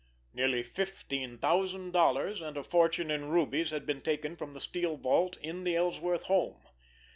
Nearly fifteen thousand dollars and a fortune in rubies had been taken from the steel vault in the Ellsworth home.